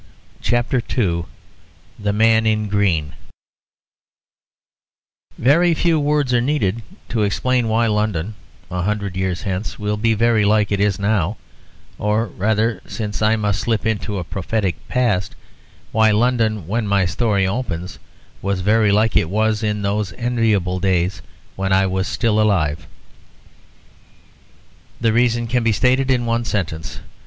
CHAPTER II The Man in Green Very few words are needed to explain why London, a hundred years hence, will be very like it is now, or rather, since I must slip into a prophetic past, why London, when my story opens, was very like it was in those enviable days when I was still alive. The reason can be stated in one sentence.